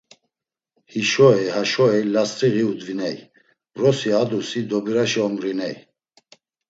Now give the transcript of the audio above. Hişo ey, haşo hey last̆riği udviney, vorsi adusi Dobiraşa orginey.